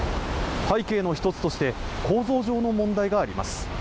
背景の一つとして構造上の問題があります。